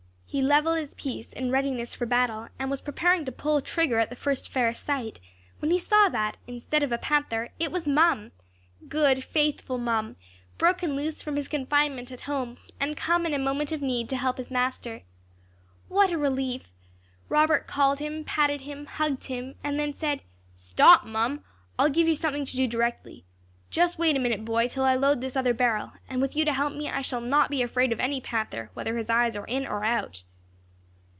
He levelled his piece in readiness for battle, and was preparing to pull trigger at the first fair sight, when he saw that, instead of a panther, it was Mum good faithful Mum, broken loose from his confinement at home, and come in a moment of need to help his master. What a relief! Robert called him, patted him, hugged him, and then said, "Stop, Mum! I'll give you something to do directly. Just wait a minute, boy, till I load this other barrel; and with you to help me, I shall not be afraid of any panther, whether his eyes are in or out."